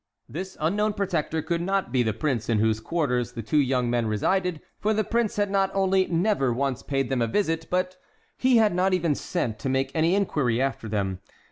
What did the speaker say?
This unknown protector could not be the prince in whose quarters the two young men resided, for the prince had not only never once paid them a visit, but he had not even sent to make any inquiry after them.